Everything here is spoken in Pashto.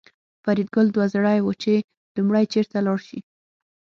فریدګل دوه زړی و چې لومړی چېرته لاړ شي